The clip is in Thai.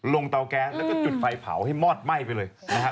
เตาแก๊สแล้วก็จุดไฟเผาให้มอดไหม้ไปเลยนะครับ